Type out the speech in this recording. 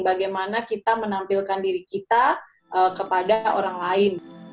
bagaimana kita menampilkan diri kita kepada orang lain